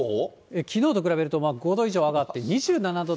きのうと比べると５度以上上がって、２７度台。